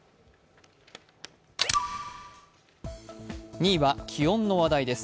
２位は気温の話題です。